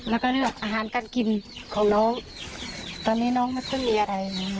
แล้วก็เลือกอาหารการกินของน้องตอนนี้น้องไม่ค่อยมีอะไร